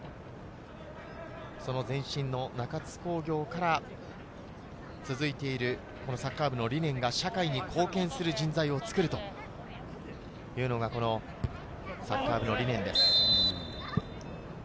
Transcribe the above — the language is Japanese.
その前身の中津工業から続いているサッカー部の理念が社会に貢献する人材を作る、サッカー部の理念です。